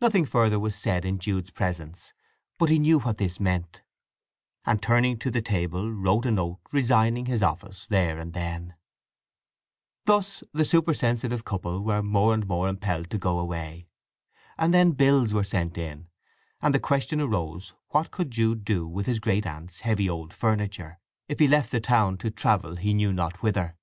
Nothing further was said in Jude's presence, but he knew what this meant; and turning to the table wrote a note resigning his office there and then. Thus the supersensitive couple were more and more impelled to go away. And then bills were sent in, and the question arose, what could Jude do with his great aunt's heavy old furniture, if he left the town to travel he knew not whither?